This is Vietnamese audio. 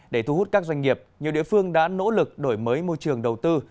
để thu hút các doanh nghiệp nhiều địa phương đã nỗ lực đổi mới môi trường đầu tư